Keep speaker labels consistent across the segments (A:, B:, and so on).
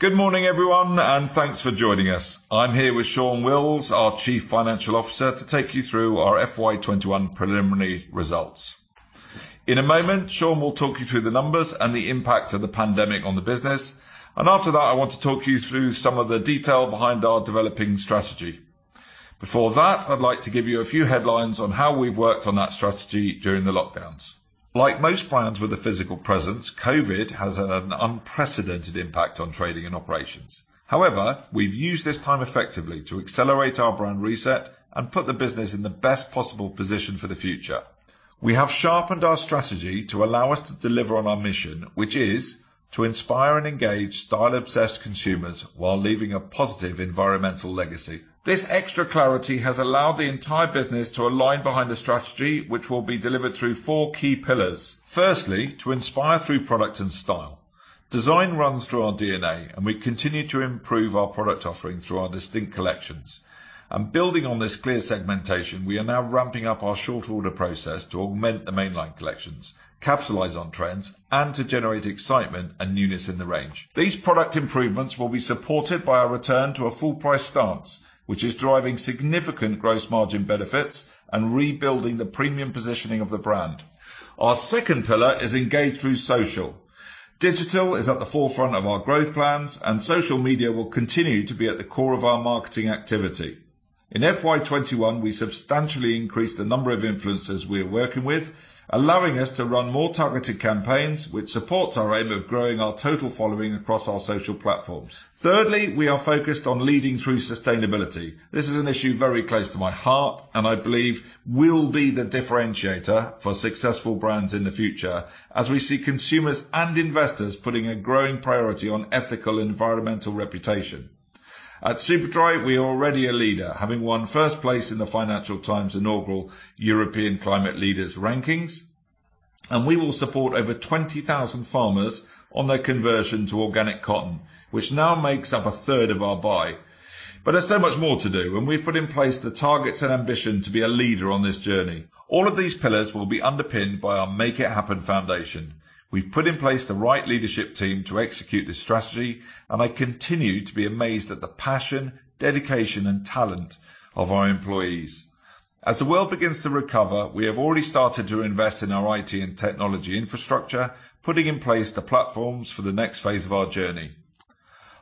A: Good morning, everyone, and thanks for joining us. I'm here with Shaun Wills, our Chief Financial Officer, to take you through our FY 2021 preliminary results. In a moment, Shaun will talk you through the numbers and the impact of the pandemic on the business. After that, I want to talk you through some of the detail behind our developing strategy. Before that, I'd like to give you a few headlines on how we've worked on that strategy during the lockdowns. Like most brands with a physical presence, COVID has had an unprecedented impact on trading and operations. However, we've used this time effectively to accelerate our brand reset and put the business in the best possible position for the future. We have sharpened our strategy to allow us to deliver on our mission, which is to inspire and engage style-obsessed consumers while leaving a positive environmental legacy. This extra clarity has allowed the entire business to align behind the strategy, which will be delivered through four key pillars. Firstly, to inspire through product and style. Design runs through our DNA, and we continue to improve our product offering through our distinct collections. Building on this clear segmentation, we are now ramping up our short order process to augment the mainline collections, capitalize on trends, and to generate excitement and newness in the range. These product improvements will be supported by a return to a full price stance, which is driving significant gross margin benefits and rebuilding the premium positioning of the brand. Our second pillar is engage through social. Digital is at the forefront of our growth plans, and social media will continue to be at the core of our marketing activity. In FY 2021, we substantially increased the number of influencers we are working with, allowing us to run more targeted campaigns, which supports our aim of growing our total following across our social platforms. Thirdly, we are focused on leading through sustainability. This is an issue very close to my heart, and I believe will be the differentiator for successful brands in the future as we see consumers and investors putting a growing priority on ethical, environmental reputation. At Superdry, we are already a leader, having won first place in The Financial Times inaugural Europe's Climate Leaders rankings, and we will support over 20,000 farmers on their conversion to organic cotton, which now makes up a third of our buy. There's so much more to do, and we've put in place the targets and ambition to be a leader on this journey. All of these pillars will be underpinned by our Make It Happen foundation. We've put in place the right leadership team to execute this strategy, and I continue to be amazed at the passion, dedication, and talent of our employees. As the world begins to recover, we have already started to invest in our IT and technology infrastructure, putting in place the platforms for the next phase of our journey.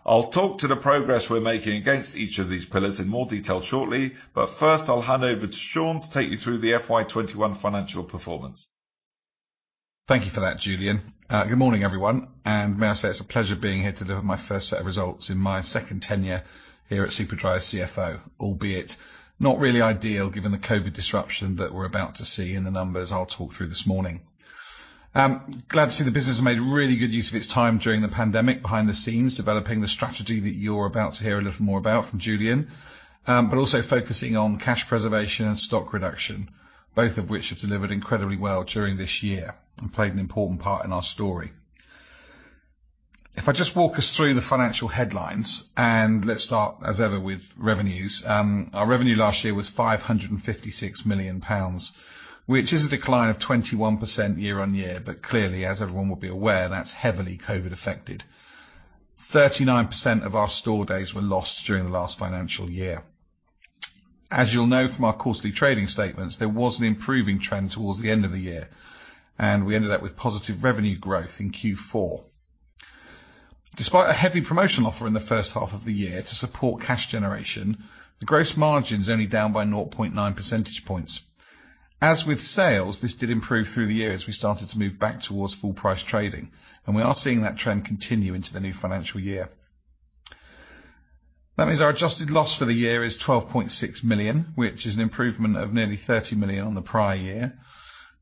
A: I'll talk to the progress we're making against each of these pillars in more detail shortly, but first, I'll hand over to Shaun to take you through the FY21 financial performance.
B: Thank you for that, Julian. Good morning, everyone. May I say, it's a pleasure being here to deliver my first set of results in my second tenure here at Superdry as CFO, albeit not really ideal given the COVID disruption that we're about to see in the numbers I'll talk through this morning. Glad to see the business has made really good use of its time during the pandemic behind the scenes, developing the strategy that you're about to hear a little more about from Julian, but also focusing on cash preservation and stock reduction, both of which have delivered incredibly well during this year and played an important part in our story. If I just walk us through the financial headlines, let's start, as ever, with revenues. Our revenue last year was 556 million pounds, which is a decline of 21% year on year. Clearly, as everyone will be aware, that's heavily COVID affected. 39% of our store days were lost during the last financial year. As you'll know from our quarterly trading statements, there was an improving trend towards the end of the year, and we ended up with positive revenue growth in Q4. Despite a heavy promotional offer in the first half of the year to support cash generation, the gross margin is only down by 0.9 percentage points. As with sales, this did improve through the year as we started to move back towards full price trading, and we are seeing that trend continue into the new financial year. That means our adjusted loss for the year is 12.6 million, which is an improvement of nearly 30 million on the prior year.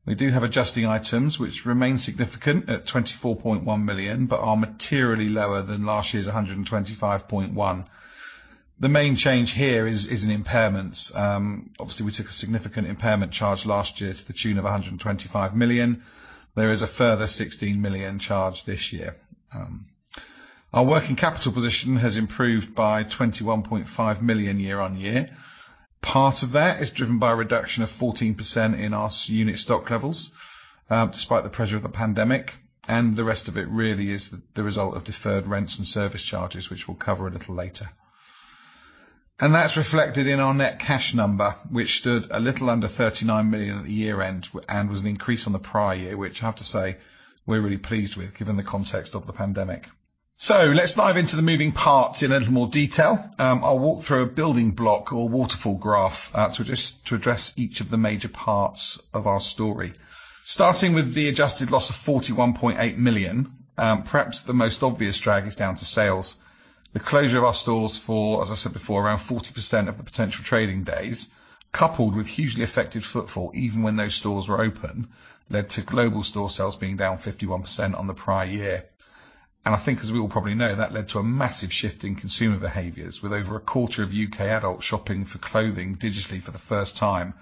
B: We do have adjusting items which remain significant at 24.1 million, are materially lower than last year's 125.1 million. The main change here is in impairments. Obviously, we took a significant impairment charge last year to the tune of 125 million. There is a further 16 million charge this year. Our working capital position has improved by 21.5 million year-on-year. Part of that is driven by a reduction of 14% in our unit stock levels, despite the pressure of the pandemic, the rest of it really is the result of deferred rents and service charges, which we'll cover a little later. That's reflected in our net cash number, which stood a little under 39 million at the year-end and was an increase on the prior year, which I have to say, we're really pleased with given the context of the pandemic. Let's dive into the moving parts in a little more detail. I'll walk through a building block or waterfall graph to address each of the major parts of our story. Starting with the adjusted loss of 41.8 million, perhaps the most obvious drag is down to sales. The closure of our stores for, as I said before, around 40% of the potential trading days, coupled with hugely affected footfall even when those stores were open, led to global store sales being down 51% on the prior year. I think as we all probably know, that led to a massive shift in consumer behaviors with over a quarter of U.K. adults shopping for clothing digitally for the first time,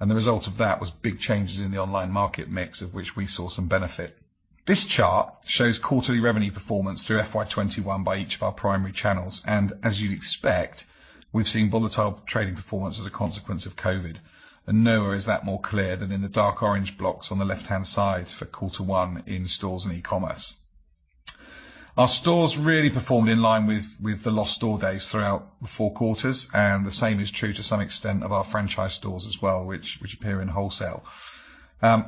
B: and the result of that was big changes in the online market mix of which we saw some benefit. This chart shows quarterly revenue performance through FY21 by each of our primary channels. As you'd expect, we've seen volatile trading performance as a consequence of COVID. Nowhere is that more clear than in the dark orange blocks on the left-hand side for quarter one in stores and e-com. Our stores really performed in line with the lost store days throughout the four quarters, and the same is true to some extent of our franchise stores as well, which appear in wholesale.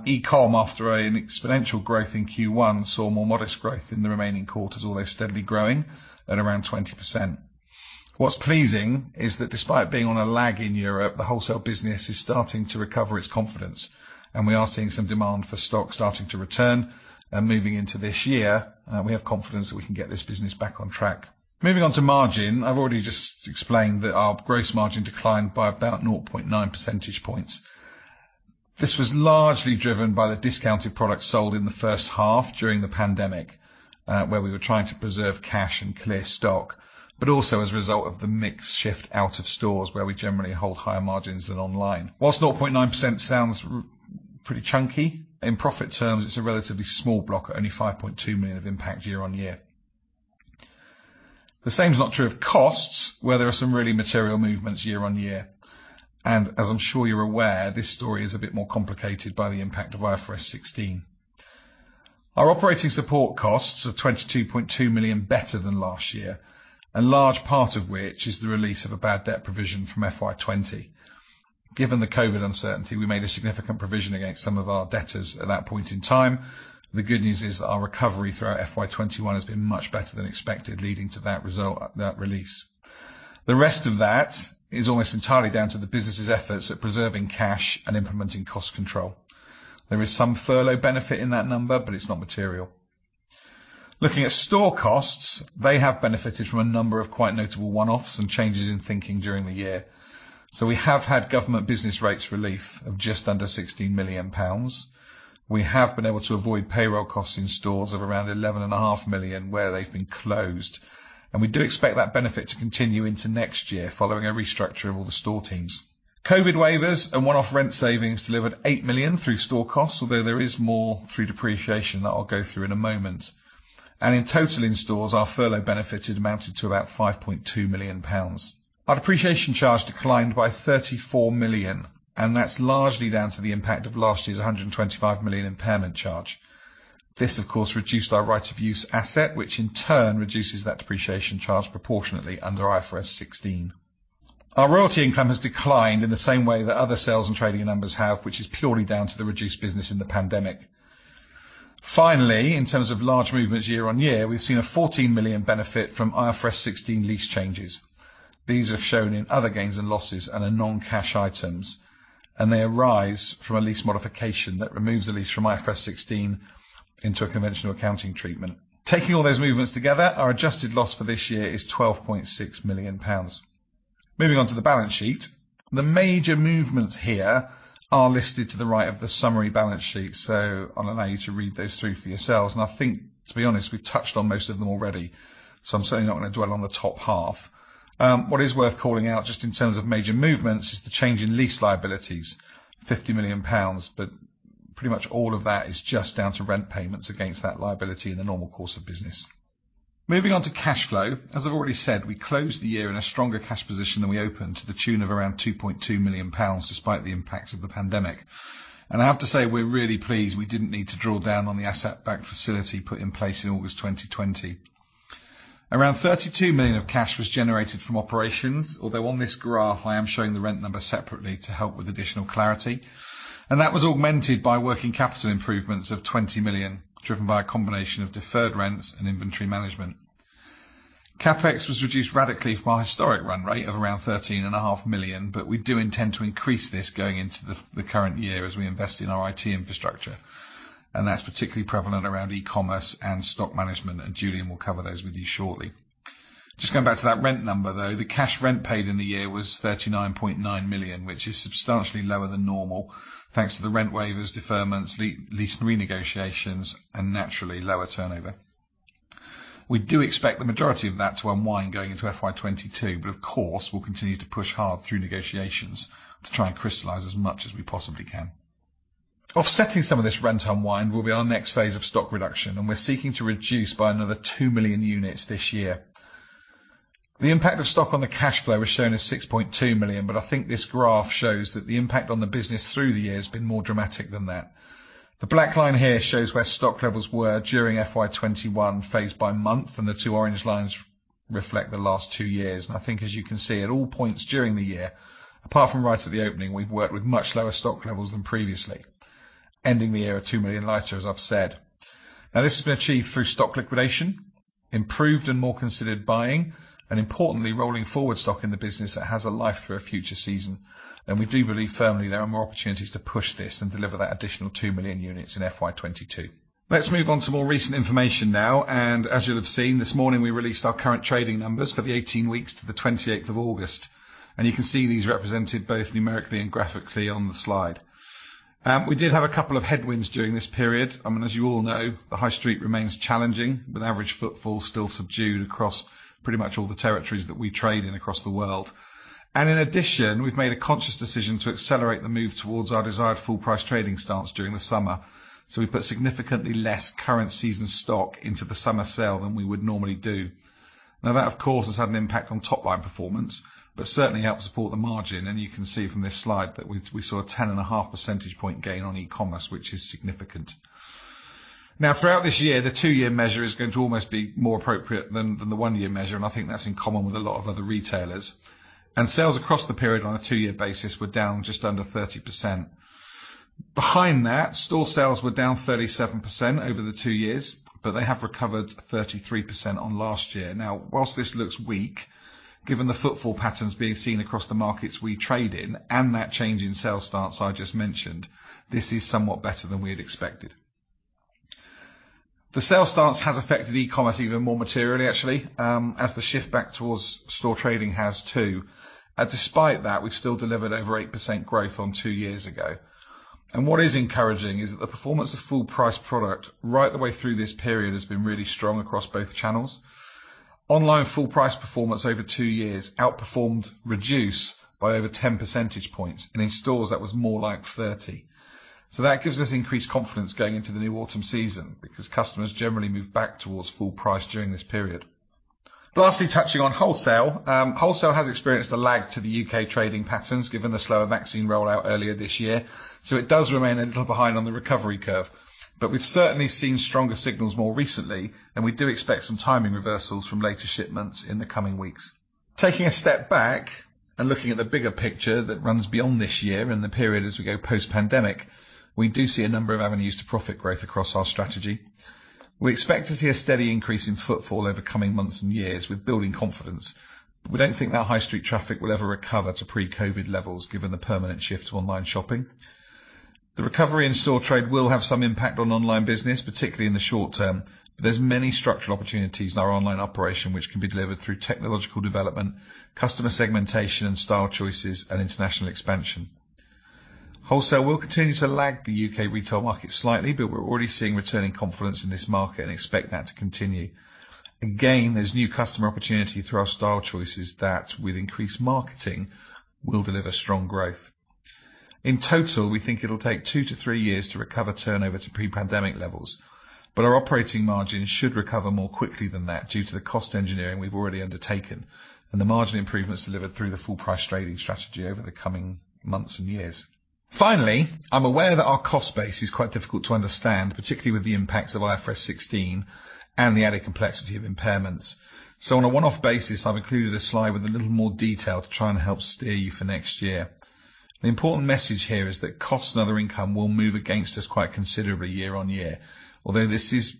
B: E-com, after an exponential growth in Q1, saw more modest growth in the remaining quarters, although steadily growing at around 20%. What's pleasing is that despite being on a lag in Europe, the wholesale business is starting to recover its confidence, and we are seeing some demand for stock starting to return. Moving into this year, we have confidence that we can get this business back on track. Moving on to margin, I've already just explained that our gross margin declined by about 0.9 percentage points. This was largely driven by the discounted products sold in the first half during the pandemic, where we were trying to preserve cash and clear stock, but also as a result of the mix shift out of stores where we generally hold higher margins than online. Whilst 0.9% sounds pretty chunky, in profit terms, it's a relatively small block at only 5.2 million of impact year-over-year. The same is not true of costs, where there are some really material movements year-over-year. As I'm sure you're aware, this story is a bit more complicated by the impact of IFRS 16. Our operating support costs of 22.2 million, better than last year, and large part of which is the release of a bad debt provision from FY20. Given the COVID uncertainty, we made a significant provision against some of our debtors at that point in time. The good news is that our recovery throughout FY21 has been much better than expected, leading to that release. The rest of that is almost entirely down to the business's efforts at preserving cash and implementing cost control. There is some furlough benefit in that number, but it's not material. Looking at store costs, they have benefited from a number of quite notable one-offs and changes in thinking during the year. We have had government business rates relief of just under 16 million pounds. We have been able to avoid payroll costs in stores of around 11.5 million where they've been closed. We do expect that benefit to continue into next year following a restructure of all the store teams. COVID waivers and one-off rent savings delivered 8 million through store costs, although there is more through depreciation that I'll go through in a moment. In total in stores, our furlough benefited amounted to about 5.2 million pounds. Our depreciation charge declined by 34 million, and that's largely down to the impact of last year's 125 million impairment charge. This, of course, reduced our right-of-use asset, which in turn reduces that depreciation charge proportionately under IFRS 16. Our royalty income has declined in the same way that other sales and trading numbers have, which is purely down to the reduced business in the pandemic. Finally, in terms of large movements year on year, we've seen a 14 million benefit from IFRS 16 lease changes. These are shown in other gains and losses and are non-cash items, and they arise from a lease modification that removes the lease from IFRS 16 into a conventional accounting treatment. Taking all those movements together, our adjusted loss for this year is 12.6 million pounds. Moving on to the balance sheet. The major movements here are listed to the right of the summary balance sheet, so I'll allow you to read those through for yourselves. I think, to be honest, we've touched on most of them already, so I'm certainly not going to dwell on the top half. What is worth calling out just in terms of major movements is the change in lease liabilities, 50 million pounds, but pretty much all of that is just down to rent payments against that liability in the normal course of business. Moving on to cash flow. As I've already said, we closed the year in a stronger cash position than we opened to the tune of around 2.2 million pounds, despite the impacts of the pandemic. I have to say, we're really pleased we didn't need to draw down on the asset-backed facility put in place in August 2020. Around 32 million of cash was generated from operations, although on this graph I am showing the rent number separately to help with additional clarity. That was augmented by working capital improvements of 20 million, driven by a combination of deferred rents and inventory management. CapEx was reduced radically from our historic run rate of around 13.5 million, but we do intend to increase this going into the current year as we invest in our IT infrastructure, and that's particularly prevalent around e-commerce and stock management, and Julian will cover those with you shortly. Just going back to that rent number, though, the cash rent paid in the year was 39.9 million, which is substantially lower than normal, thanks to the rent waivers, deferments, lease renegotiations, and naturally lower turnover. We do expect the majority of that to unwind going into FY22, but of course, we'll continue to push hard through negotiations to try and crystallize as much as we possibly can. Offsetting some of this rent unwind will be our next phase of stock reduction, and we're seeking to reduce by another 2 million units this year. The impact of stock on the cash flow is shown as 6.2 million, but I think this graph shows that the impact on the business through the year has been more dramatic than that. The black line here shows where stock levels were during FY 2021 phased by month, the two orange lines reflect the last two years, I think as you can see, at all points during the year, apart from right at the opening, we've worked with much lower stock levels than previously, ending the year at 2 million lighter, as I've said. This has been achieved through stock liquidation, improved and more considered buying, importantly, rolling forward stock in the business that has a life through a future season. We do believe firmly there are more opportunities to push this and deliver that additional 2 million units in FY 2022. Let's move on to more recent information now. As you'll have seen, this morning we released our current trading numbers for the 18 weeks to the 28th of August. You can see these represented both numerically and graphically on the slide. We did have a couple of headwinds during this period. I mean, as you all know, the high street remains challenging, with average footfall still subdued across pretty much all the territories that we trade in across the world. In addition, we've made a conscious decision to accelerate the move towards our desired full price trading stance during the summer. We put significantly less current season stock into the summer sale than we would normally do. Now that of course, has had an impact on top-line performance, but certainly helped support the margin. You can see from this slide that we saw a 10.5 percentage point gain on e-commerce, which is significant. Throughout this year, the two-year measure is going to almost be more appropriate than the one-year measure, I think that's in common with a lot of other retailers. Sales across the period on a two-year basis were down just under 30%. Behind that, store sales were down 37% over the two years, they have recovered 33% on last year. Whilst this looks weak, given the footfall patterns being seen across the markets we trade in, that change in sell stance I just mentioned, this is somewhat better than we had expected. The sell stance has affected e-commerce even more materially, actually, as the shift back towards store trading has too. Despite that, we've still delivered over 8% growth on two years ago. What is encouraging is that the performance of full price product right the way through this period has been really strong across both channels. Online full price performance over two years outperformed reduce by over 10 percentage points, and in stores, that was more like 30. That gives us increased confidence going into the new autumn season because customers generally move back towards full price during this period. Lastly, touching on wholesale. Wholesale has experienced a lag to the U.K. trading patterns given the slower vaccine rollout earlier this year, so it does remain a little behind on the recovery curve. We've certainly seen stronger signals more recently, and we do expect some timing reversals from later shipments in the coming weeks. Taking a step back and looking at the bigger picture that runs beyond this year and the period as we go post-pandemic, we do see a number of avenues to profit growth across our strategy. We expect to see a steady increase in footfall over coming months and years with building confidence. We don't think that high street traffic will ever recover to pre-COVID levels given the permanent shift to online shopping. The recovery in store trade will have some impact on online business, particularly in the short term, but there's many structural opportunities in our online operation which can be delivered through technological development, customer segmentation and style choices, and international expansion. Wholesale will continue to lag the U.K. retail market slightly, but we're already seeing returning confidence in this market and expect that to continue. Again, there's new customer opportunity through our style choices that with increased marketing, will deliver strong growth. In total, we think it'll take two to three years to recover turnover to pre-pandemic levels. Our operating margin should recover more quickly than that due to the cost engineering we've already undertaken and the margin improvements delivered through the full price trading strategy over the coming months and years. Finally, I'm aware that our cost base is quite difficult to understand, particularly with the impacts of IFRS 16 and the added complexity of impairments. On a one-off basis, I've included a slide with a little more detail to try and help steer you for next year. The important message here is that costs and other income will move against us quite considerably year-on-year, although this is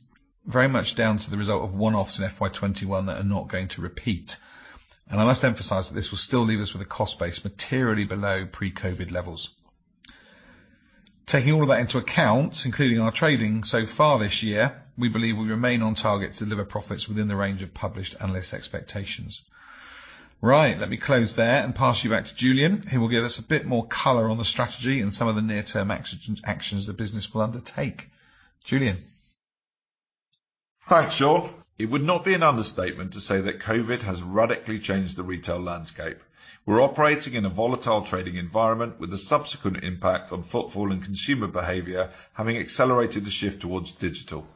B: very much down to the result of one-offs in FY21 that are not going to repeat. I must emphasize that this will still leave us with a cost base materially below pre-COVID levels. Taking all of that into account, including our trading so far this year, we believe we'll remain on target to deliver profits within the range of published analyst expectations. Right. Let me close there and pass you back to Julian, who will give us a bit more color on the strategy and some of the near-term actions the business will undertake. Julian?
A: Thanks, Shaun. It would not be an understatement to say that COVID has radically changed the retail landscape. We're operating in a volatile trading environment with a subsequent impact on footfall and consumer behavior having accelerated the shift towards digital.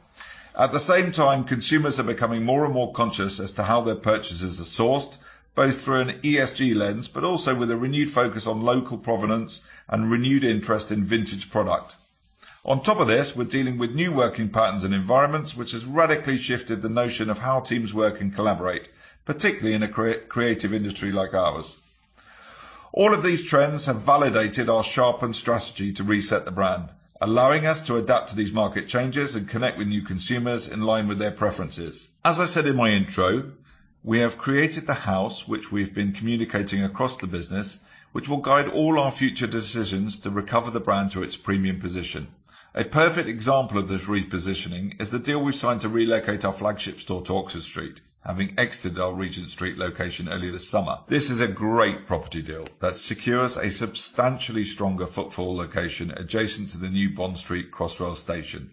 A: At the same time, consumers are becoming more and more conscious as to how their purchases are sourced, both through an ESG lens, but also with a renewed focus on local provenance and renewed interest in vintage product. On top of this, we're dealing with new working patterns and environments, which has radically shifted the notion of how teams work and collaborate, particularly in a creative industry like ours. All of these trends have validated our sharpened strategy to reset the brand, allowing us to adapt to these market changes and connect with new consumers in line with their preferences. As I said in my intro, we have created the house, which we've been communicating across the business, which will guide all our future decisions to recover the brand to its premium position. A perfect example of this repositioning is the deal we've signed to relocate our flagship store to Oxford Street, having exited our Regent Street location earlier this summer. This is a great property deal that secures a substantially stronger footfall location adjacent to the new Bond Street Crossrail station.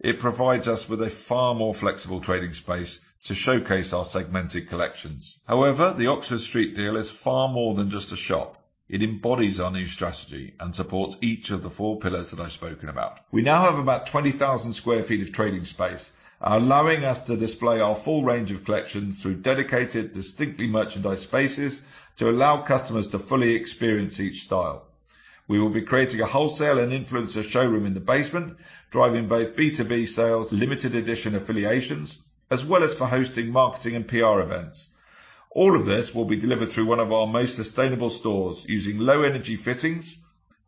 A: It provides us with a far more flexible trading space to showcase our segmented collections. The Oxford Street deal is far more than just a shop. It embodies our new strategy and supports each of the four pillars that I've spoken about. We now have about 20,000 square feet of trading space, allowing us to display our full range of collections through dedicated, distinctly merchandised spaces to allow customers to fully experience each style. We will be creating a wholesale and influencer showroom in the basement, driving both B2B sales, limited edition affiliations, as well as for hosting marketing and PR events. All of this will be delivered through one of our most sustainable stores using low energy fittings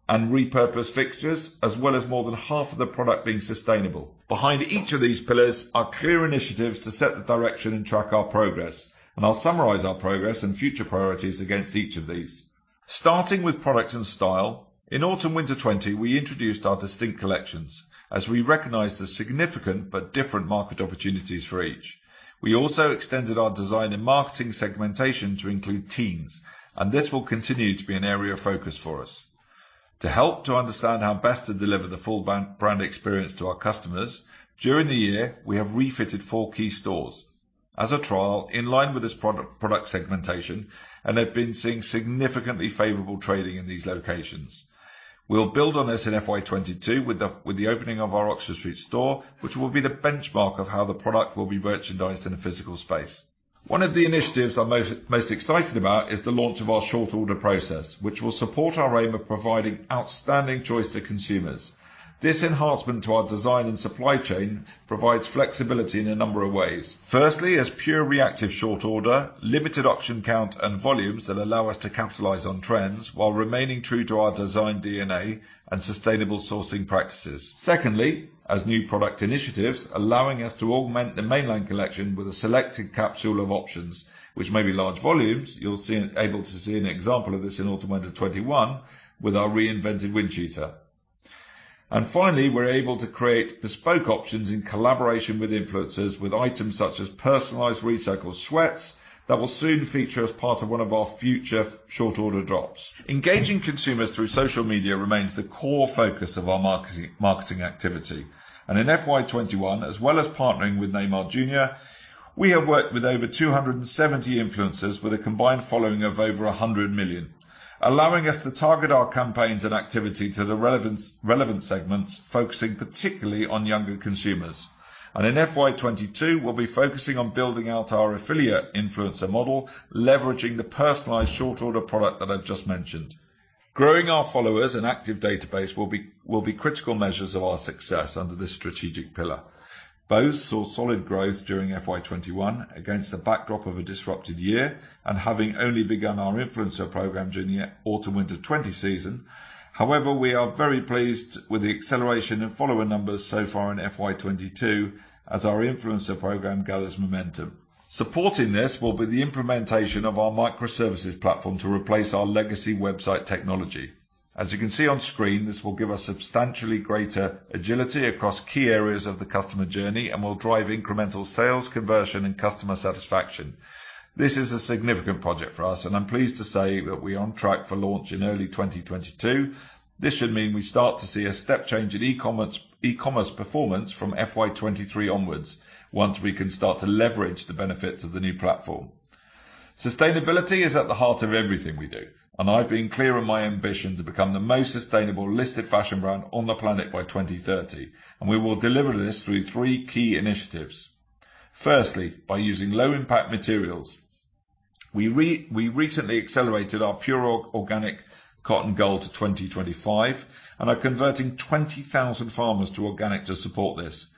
A: and repurposed fixtures, as well as more than half of the product being sustainable. Behind each of these pillars are clear initiatives to set the direction and track our progress. I'll summarize our progress and future priorities against each of these. Starting with product and style, in autumn-winter 2020, we introduced our distinct collections as we recognized the significant but different market opportunities for each. We also extended our design and marketing segmentation to include teens. This will continue to be an area of focus for us. To help to understand how best to deliver the full brand experience to our customers, during the year, we have refitted four key stores as a trial in line with this product segmentation. They've been seeing significantly favorable trading in these locations. We'll build on this in FY 2022 with the opening of our Oxford Street store, which will be the benchmark of how the product will be merchandised in a physical space. One of the initiatives I'm most excited about is the launch of our short order process, which will support our aim of providing outstanding choice to consumers. This enhancement to our design and supply chain provides flexibility in a number of ways. Firstly, as pure reactive short order, limited option count and volumes that allow us to capitalize on trends while remaining true to our design DNA and sustainable sourcing practices. Secondly, as new product initiatives allowing us to augment the mainline collection with a selected capsule of options, which may be large volumes. You'll able to see an example of this in autumn winter '21 with our reinvented Windcheater. Finally, we're able to create bespoke options in collaboration with influencers with items such as personalized recycled sweats that will soon feature as part of one of our future short order drops. Engaging consumers through social media remains the core focus of our marketing activity. In FY 2021, as well as partnering with Neymar Jr, we have worked with over 270 influencers with a combined following of over 100 million, allowing us to target our campaigns and activity to the relevant segments, focusing particularly on younger consumers. In FY 2022, we'll be focusing on building out our affiliate influencer model, leveraging the personalized short order product that I've just mentioned. Growing our followers and active database will be critical measures of our success under this strategic pillar. Both saw solid growth during FY 2021 against the backdrop of a disrupted year and having only begun our influencer program during the autumn winter 2020 season. However, we are very pleased with the acceleration in follower numbers so far in FY 2022 as our influencer program gathers momentum. Supporting this will be the implementation of our microservices platform to replace our legacy website technology. As you can see on screen, this will give us substantially greater agility across key areas of the customer journey and will drive incremental sales, conversion, and customer satisfaction. This is a significant project for us, and I'm pleased to say that we're on track for launch in early 2022. This should mean we start to see a step change in e-commerce performance from FY23 onwards, once we can start to leverage the benefits of the new platform. Sustainability is at the heart of everything we do, and I'm pleased to say that we're on track for launch in early 2022. This should mean we start to see a step change in e-commerce performance from FY23 onwards, once we can start to leverage the benefits of the new platform. Sustainability is at the heart of everything we do, and I've been clear on my ambition to become the most sustainable listed fashion brand on the planet by 2030, and we will deliver this through three key initiatives. Firstly, by using low impact materials. We recently accelerated our pure organic cotton goal to 2025 and are converting 20,000 farmers to organic to support this.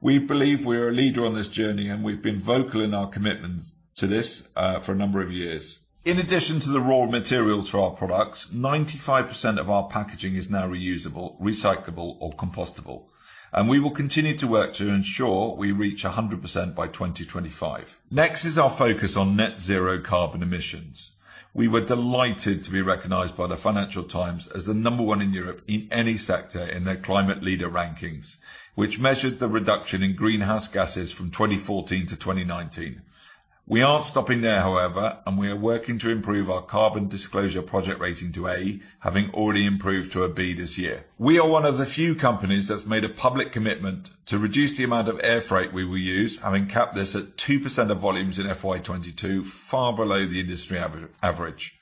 A: We believe we're a leader on this journey, and we've been vocal in our commitment to this for a number of years. In addition to the raw materials for our products, 95% of our packaging is now reusable, recyclable, or compostable, and we will continue to work to ensure we reach 100% by 2025. Next is our focus on net zero carbon emissions. We were delighted to be recognized by The Financial Times as the number one in Europe in any sector in Europe's Climate Leaders, which measured the reduction in greenhouse gases from 2014 to 2019. We aren't stopping there, however, and we are working to improve our Carbon Disclosure Project rating to A, having already improved to a B this year. We are one of the few companies that's made a public commitment to reduce the amount of air freight we will use, having capped this at 2% of volumes in FY22, far below the industry average.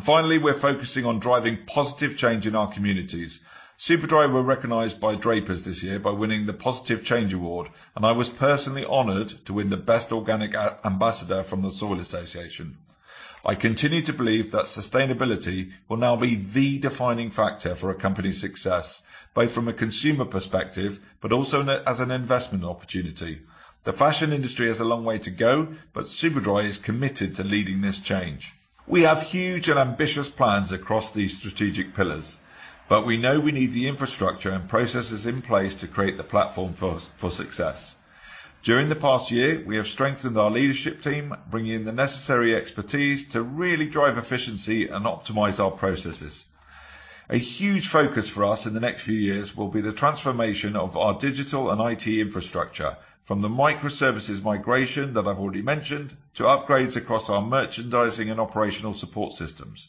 A: Finally, we're focusing on driving positive change in our communities. Superdry were recognized by Drapers this year by winning the Positive Change Award, and I was personally honored to win the Best Organic Ambassador from the Soil Association. I continue to believe that sustainability will now be the defining factor for a company's success, both from a consumer perspective but also as an investment opportunity. The fashion industry has a long way to go, but Superdry is committed to leading this change. We have huge and ambitious plans across these strategic pillars, but we know we need the infrastructure and processes in place to create the platform for success. During the past year, we have strengthened our leadership team, bringing the necessary expertise to really drive efficiency and optimize our processes. A huge focus for us in the next few years will be the transformation of our digital and IT infrastructure, from the microservices migration that I've already mentioned, to upgrades across our merchandising and operational support systems,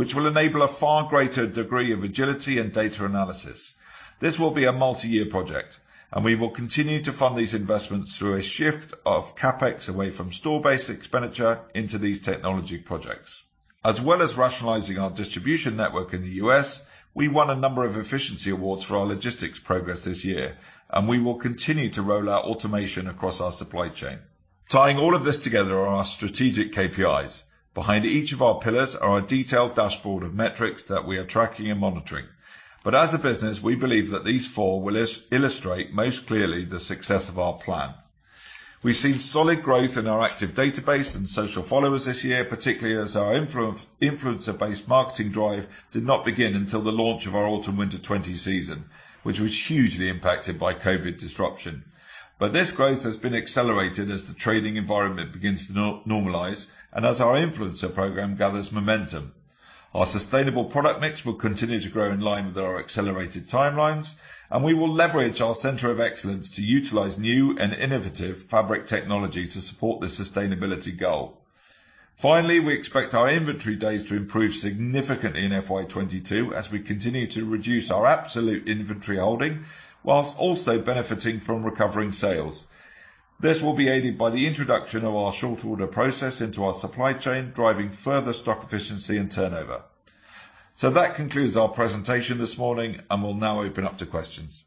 A: which will enable a far greater degree of agility and data analysis. This will be a multi-year project, and we will continue to fund these investments through a shift of CapEx away from store-based expenditure into these technology projects. As well as rationalizing our distribution network in the U.S., we won a number of efficiency awards for our logistics progress this year, and we will continue to roll out automation across our supply chain. Tying all of this together are our strategic KPIs. Behind each of our pillars are a detailed dashboard of metrics that we are tracking and monitoring. As a business, we believe that these four will illustrate most clearly the success of our plan. We've seen solid growth in our active database and social followers this year, particularly as our influencer-based marketing drive did not begin until the launch of our autumn winter 2020 season, which was hugely impacted by COVID disruption. This growth has been accelerated as the trading environment begins to normalize and as our influencer program gathers momentum. Our sustainable product mix will continue to grow in line with our accelerated timelines, and we will leverage our center of excellence to utilize new and innovative fabric technology to support this sustainability goal. Finally, we expect our inventory days to improve significantly in FY22 as we continue to reduce our absolute inventory holding whilst also benefiting from recovering sales. This will be aided by the introduction of our short order process into our supply chain, driving further stock efficiency and turnover. That concludes our presentation this morning, and we will now open up to questions.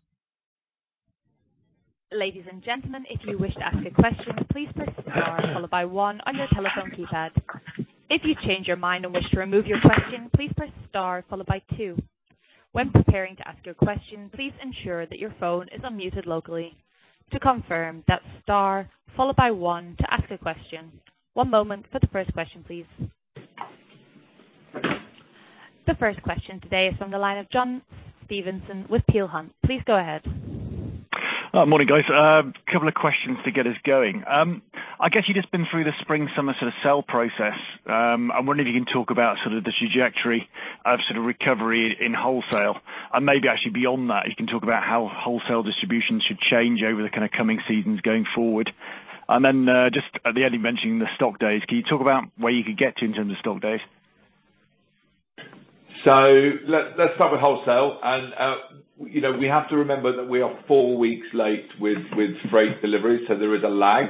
C: The first question today is from the line of John Stevenson with Peel Hunt. Please go ahead.
D: Morning, guys. A couple of questions to get us going. I guess you've just been through the spring, summer sort of sell process. I'm wondering if you can talk about the trajectory of recovery in wholesale. Maybe actually beyond that, you can talk about how wholesale distribution should change over the coming seasons going forward. Just at the end, you mentioned the stock days. Can you talk about where you could get to in terms of stock days?
A: Let's start with wholesale. We have to remember that we are four weeks late with freight deliveries, so there is a lag.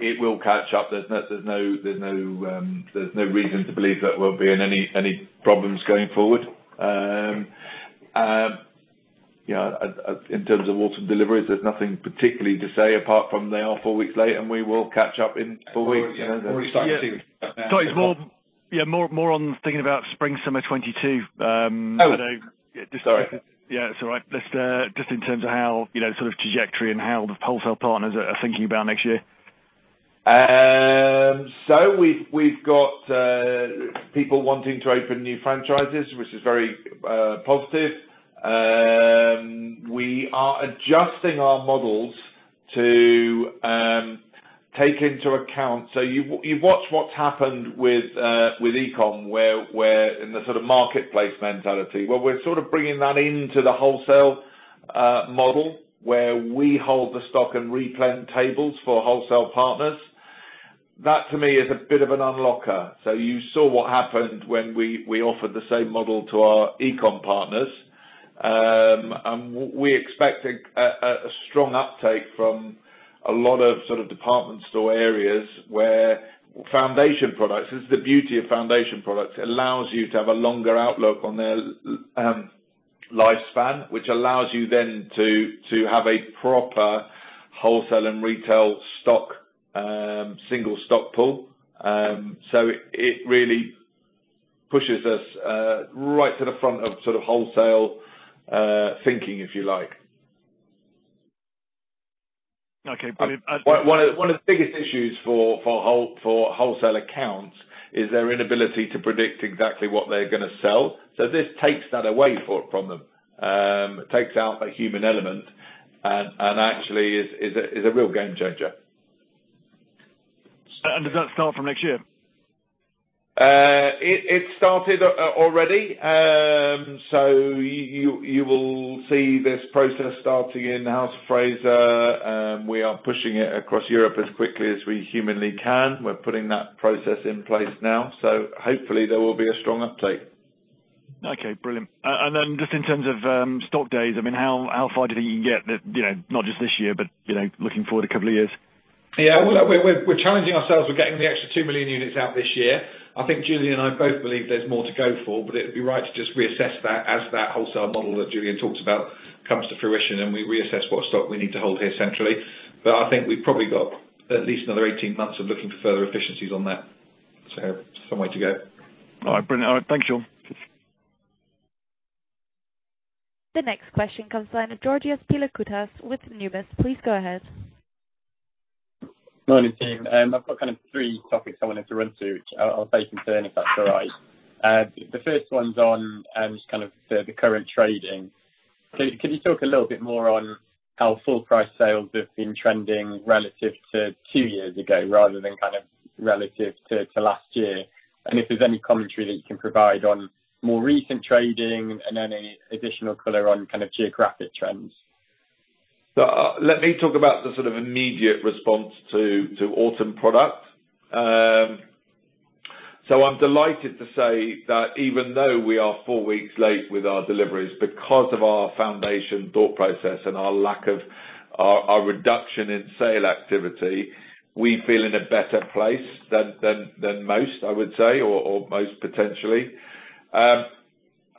A: It will catch up. There's no reason to believe that we'll be in any problems going forward. In terms of autumn deliveries, there's nothing particularly to say apart from they are four weeks late, and we will catch up in four weeks.
D: Sorry, more on thinking about spring, summer 2022.
A: Oh, sorry.
D: Yeah, that's all right. Just in terms of how, sort of trajectory and how the wholesale partners are thinking about next year.
A: We've got people wanting to open new franchises, which is very positive. We are adjusting our models to take into account. You've watched what's happened with e-com, in the sort of marketplace mentality. We're sort of bringing that into the wholesale model, where we hold the stock and replan tables for wholesale partners. That, to me, is a bit of an unlocker. You saw what happened when we offered the same model to our e-com partners. We expect a strong uptake from a lot of department store areas where foundation products, this is the beauty of foundation products. It allows you to have a longer outlook on their lifespan, which allows you then to have a proper wholesale and retail single stock pool. It really pushes us right to the front of wholesale thinking, if you like.
D: Okay, brilliant.
A: One of the biggest issues for wholesale accounts is their inability to predict exactly what they're going to sell. This takes that away from them. It takes out a human element, and actually is a real game changer.
D: Does that start from next year?
A: It started already. You will see this process starting in House of Fraser. We are pushing it across Europe as quickly as we humanly can. We're putting that process in place now, so hopefully there will be a strong uptake.
D: Okay, brilliant. Just in terms of stock days, how far do you think you can get, not just this year, but looking forward a couple of years?
B: We're challenging ourselves. We're getting the extra 2 million units out this year. I think Julian and I both believe there's more to go for, it would be right to just reassess that as that wholesale model that Julian talked about comes to fruition, and we reassess what stock we need to hold here centrally. I think we've probably got at least another 18 months of looking for further efficiencies on that. Some way to go.
D: All right, brilliant. All right. Thanks, Shaun.
C: The next question comes from the line of Georgios Pilakoutas with Numis. Please go ahead.
E: Morning, team. I've got three topics I wanted to run through. I'll start, if that's all right. The first one's on just the current trading. Could you talk a little bit more on how full price sales have been trending relative to two years ago rather than relative to last year? If there's any commentary that you can provide on more recent trading and any additional color on geographic trends.
A: Let me talk about the immediate response to autumn product. I'm delighted to say that even though we are four weeks late with our deliveries because of our foundation thought process and our reduction in sale activity, we feel in a better place than most, I would say, or most potentially.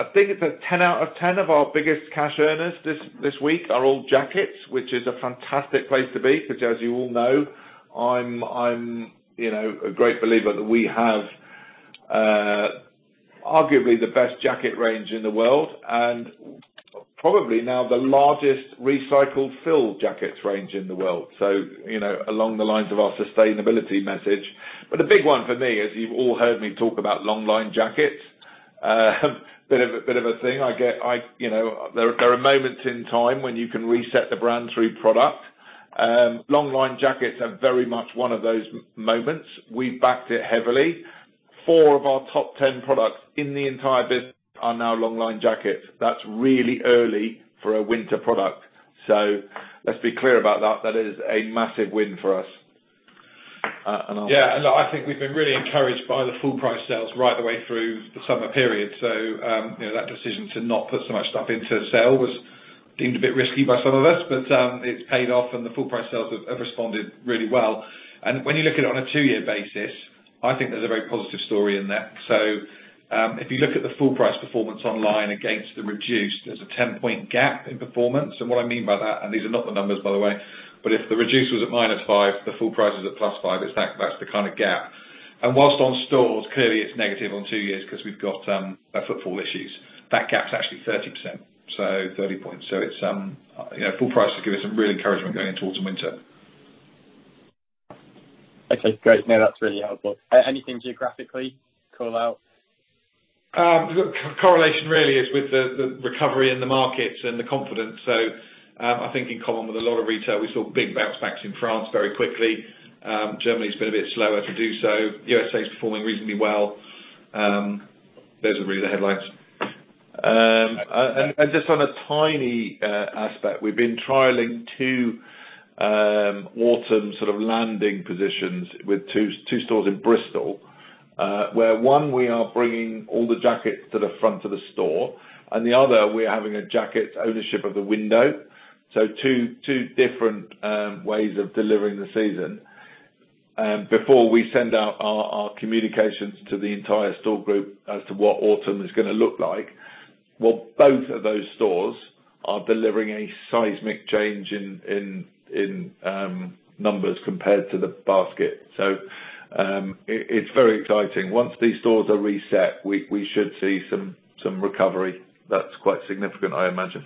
A: I think it's a 10 out of 10 of our biggest cash earners this week are all jackets, which is a fantastic place to be because, as you all know, I'm a great believer that we have arguably the best jacket range in the world and probably now the largest recycled fill jackets range in the world. Along the lines of our sustainability message. A big one for me is you've all heard me talk about long line jackets. Bit of a thing I get. There are moments in time when you can reset the brand through product. Long line jackets are very much one of those moments. We backed it heavily. Four of our top 10 products in the entire business are now long line jackets. That's really early for a winter product. Let's be clear about that. That is a massive win for us.
B: Yeah. I think we've been really encouraged by the full price sales right the way through the summer period. That decision to not put so much stuff into sale was deemed a bit risky by some of us, but it's paid off, and the full price sales have responded really well. When you look at it on a two-year basis, I think there's a very positive story in that. If you look at the full price performance online against the reduced, there's a 10-point gap in performance. What I mean by that, and these are not the numbers, by the way, but if the reduced was at -5, the full price is at +5. That's the kind of gap. Whilst on stores, clearly it's negative on two years because we've got footfall issues. That gap's actually 30%, so 30 points. Full price has given us some real encouragement going towards the winter.
E: Okay, great. No, that's really helpful. Anything geographically call out?
A: Correlation really is with the recovery in the markets and the confidence. I think in common with a lot of retail, we saw big bounce backs in France very quickly. Germany's been a bit slower to do so. USA is performing reasonably well. Those are really the headlines. Just on a tiny aspect, we've been trialing two autumn sort of landing positions with two stores in Bristol, where one we are bringing all the jackets to the front of the store, and the other, we're having a jacket ownership of the window. Two different ways of delivering the season. Before we send out our communications to the entire store group as to what autumn is going to look like. Well, both of those stores are delivering a seismic change in numbers compared to the basket. It's very exciting. Once these stores are reset, we should see some recovery that's quite significant, I imagine.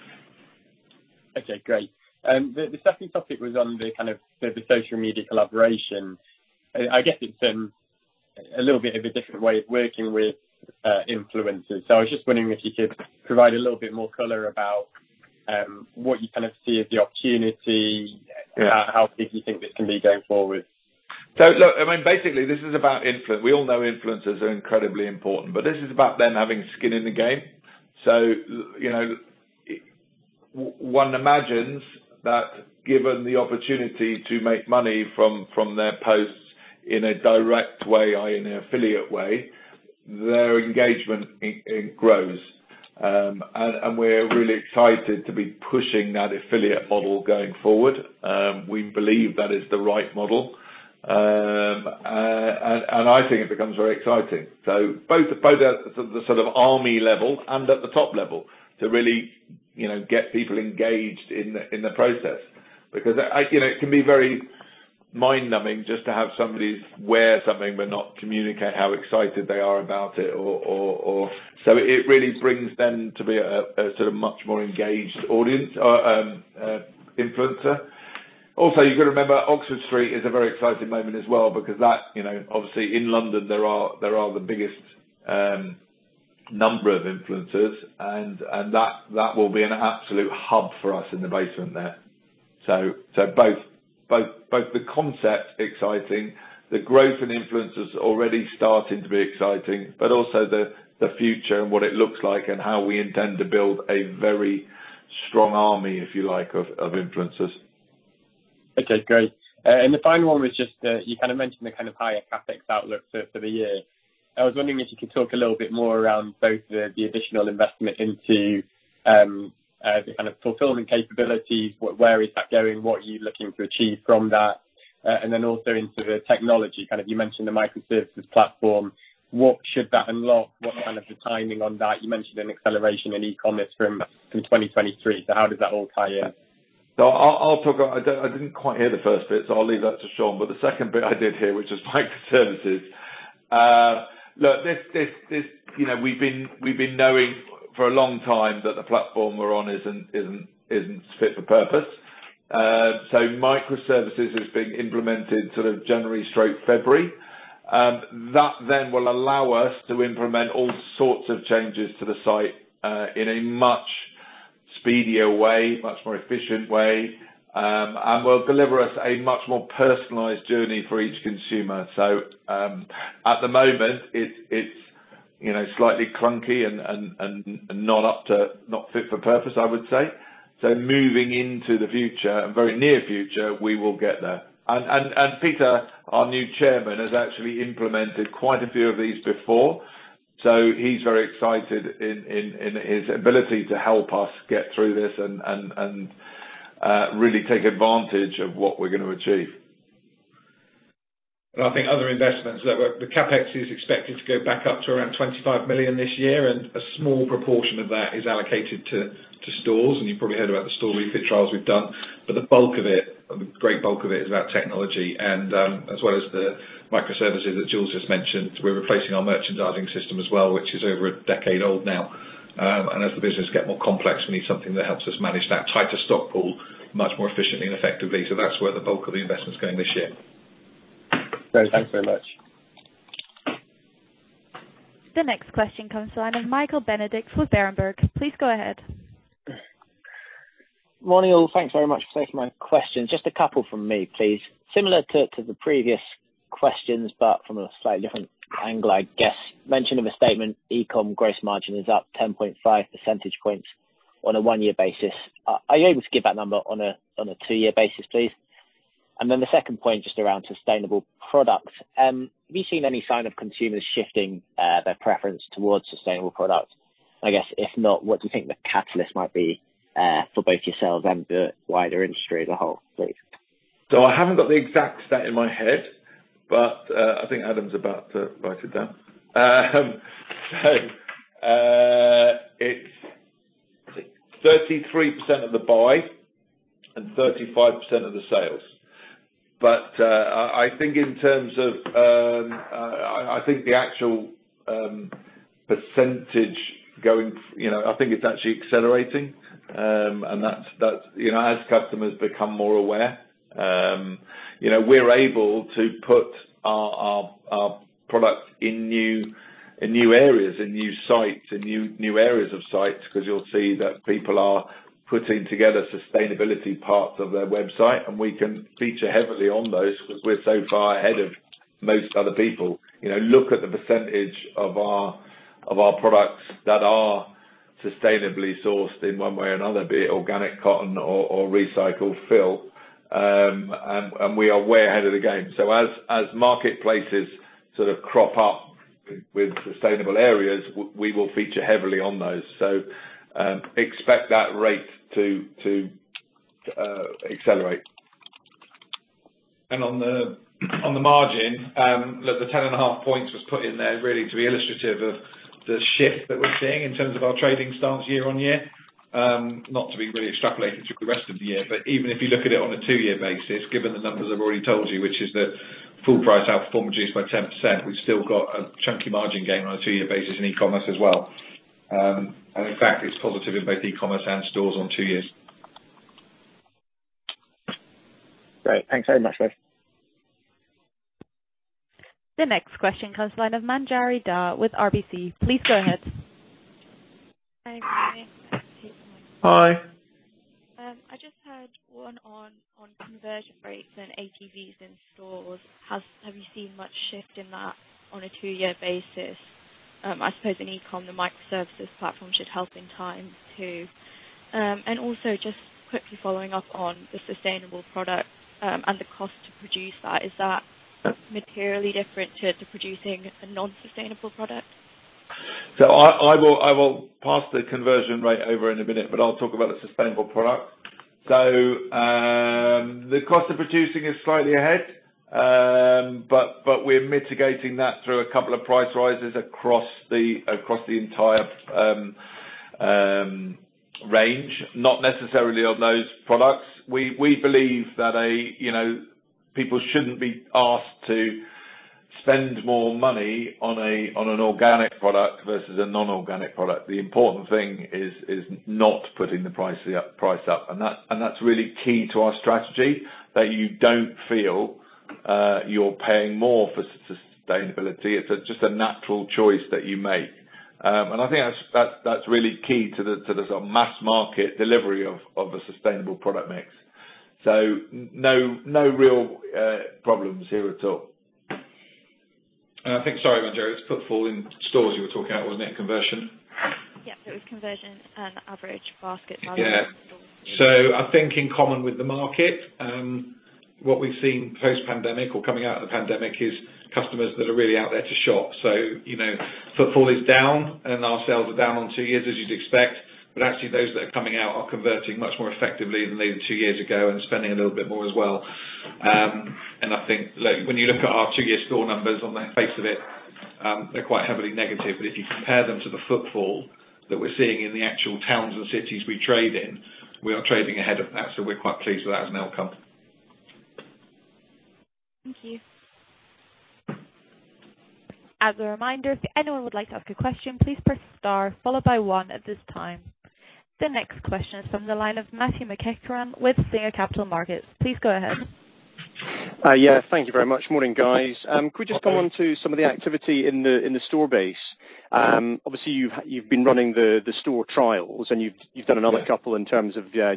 E: Okay, great. The second topic was on the social media collaboration. I guess it's a little bit of a different way of working with influencers. I was just wondering if you could provide a little bit more color about what you see as the opportunity and how big you think this can be going forward.
A: Look, basically, this is about influence. We all know influencers are incredibly important, but this is about them having skin in the game. One imagines that given the opportunity to make money from their posts in a direct way or in an affiliate way, their engagement grows. We're really excited to be pushing that affiliate model going forward. We believe that is the right model. I think it becomes very exciting. Both at the sort of army level and at the top level to really get people engaged in the process. It can be very mind-numbing just to have somebody wear something but not communicate how excited they are about it. It really brings them to be a sort of much more engaged audience or influencer. You got to remember, Oxford Street is a very exciting moment as well because that, obviously, in London, there are the biggest number of influencers, and that will be an absolute hub for us in the basement there. Both the concept exciting, the growth in influencers already starting to be exciting, but also the future and what it looks like and how we intend to build a very strong army, if you like, of influencers.
E: Okay, great. The final one was just, you mentioned the higher CapEx outlook for the year. I was wondering if you could talk a little bit more around both the additional investment into the fulfillment capabilities. Where is that going? What are you looking to achieve from that? Then also into the technology. You mentioned the microservices platform. What should that unlock? What kind of the timing on that? You mentioned an acceleration in e-commerce from 2023. How does that all tie in?
A: I'll talk I didn't quite hear the first bit, I'll leave that to Shaun, but the second bit I did hear, which was microservices. Look, we've been knowing for a long time that the platform we're on isn't fit for purpose. Microservices is being implemented sort of January/February. That then will allow us to implement all sorts of changes to the site, in a much speedier way, much more efficient way, and will deliver us a much more personalized journey for each consumer. At the moment, it's slightly clunky and not fit for purpose, I would say. Moving into the future, and very near future, we will get there. Peter, our new chairman, has actually implemented quite a few of these before. He's very excited in his ability to help us get through this and really take advantage of what we're going to achieve.
B: I think other investments, look, the CapEx is expected to go back up to around 25 million this year, and a small proportion of that is allocated to stores. You've probably heard about the store refit trials we've done, but the bulk of it, the great bulk of it, is about technology. As well as the microservices that Jules just mentioned, we're replacing our merchandising system as well, which is over a decade old now. As the business get more complex, we need something that helps us manage that tighter stock pool much more efficiently and effectively. That's where the bulk of the investment's going this year.
E: Great. Thanks very much.
C: The next question comes from Michael Benedict with Berenberg. Please go ahead.
F: Morning, all. Thanks very much for taking my questions. Just a couple from me, please. Similar to the previous questions, but from a slightly different angle, I guess. Mention in the statement e-com gross margin is up 10.5 percentage points on a one-year basis. Are you able to give that number on a two-year basis, please? The second point, just around sustainable products. Have you seen any sign of consumers shifting their preference towards sustainable products? I guess, if not, what do you think the catalyst might be for both yourselves and the wider industry as a whole, please?
A: I haven't got the exact stat in my head, but I think Adam's about to write it down. It's 33% of the buy and 35% of the sales. I think the actual percentage, I think it's actually accelerating. As customers become more aware, we're able to put our products in new areas and new sites, and new areas of sites, because you'll see that people are putting together sustainability parts of their website, and we can feature heavily on those because we're so far ahead of most other people. Look at the percentage of our products that are sustainably sourced in one way or another, be it organic cotton or recycled fill, and we are way ahead of the game. As marketplaces sort of crop up with sustainable areas, we will feature heavily on those. Expect that rate to accelerate.
B: On the margin, look, the 10 and a half points was put in there really to be illustrative of the shift that we're seeing in terms of our trading stance year-on-year. Not to be really extrapolated through the rest of the year, but even if you look at it on a two-year basis, given the numbers I've already told you, which is that full price outperformance by 10%, we've still got a chunky margin gain on a two-year basis in e-commerce as well. In fact, it's positive in both e-commerce and stores on two years.
F: Great. Thanks very much, guys.
C: The next question comes from the line of Manjari Dhar with RBC. Please go ahead.
G: Hi.
A: Hi.
G: I just had one on conversion rates and ATVs in stores. Have you seen much shift in that on a two-year basis? I suppose in e-com, the microservices platform should help in time, too. Also, just quickly following up on the sustainable product, and the cost to produce that, is that materially different to producing a non-sustainable product?
A: I will pass the conversion rate over in one minute, but I'll talk about the sustainable product. The cost of producing is slightly ahead, but we're mitigating that through two price rises across the entire range, not necessarily on those products. We believe that people shouldn't be asked to spend more money on an organic product versus a non-organic product. The important thing is not putting the price up, and that's really key to our strategy, that you don't feel you're paying more for sustainability. It's just a natural choice that you make. I think that's really key to the sort of mass market delivery of a sustainable product mix. No real problems here at all.
B: I think, sorry, Manjari, it was footfall in stores you were talking about, wasn't it? Conversion?
G: Yep. It was conversion and average basket value in stores.
B: I think in common with the market, what we've seen post-pandemic or coming out of the pandemic is customers that are really out there to shop. Footfall is down, and our sales are down on two years as you'd expect, but actually, those that are coming out are converting much more effectively than they did two years ago and spending a little bit more as well. I think when you look at our two-year store numbers on the face of it, they're quite heavily negative, but if you compare them to the footfall that we're seeing in the actual towns and cities we trade in, we are trading ahead of that, so we're quite pleased with that as an outcome.
G: Thank you.
C: As a reminder, if anyone would like to ask a question, please press star followed by 1 at this time. The next question is from the line of Matthew McEachran with Singer Capital Markets. Please go ahead.
H: Yeah. Thank you very much. Morning, guys.
A: Hello.
H: Could we just go on to some of the activity in the store base? Obviously, you've been running the store trials and you've done another couple-
A: Yeah
H: in terms of your